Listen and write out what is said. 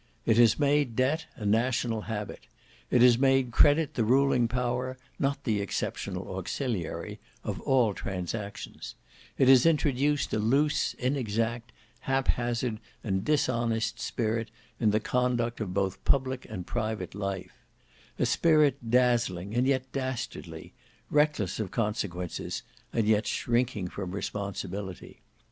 It has made debt a national habit; it has made credit the ruling power, not the exceptional auxiliary, of all transactions; it has introduced a loose, inexact, haphazard, and dishonest spirit in the conduct of both public and private life; a spirit dazzling and yet dastardly: reckless of consequences and yet shrinking from responsibility.